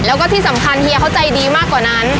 แล้วก็ที่สำคัญเฮียเขาใจดีมากกว่านั้น